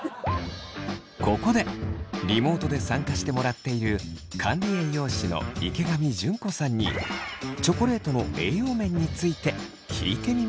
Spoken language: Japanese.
ここでリモートで参加してもらっている管理栄養士の池上淳子さんにチョコレートの栄養面について聞いてみました。